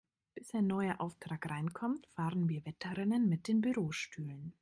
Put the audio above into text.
Bis ein neuer Auftrag reinkommt, fahren wir Wettrennen mit den Bürostühlen.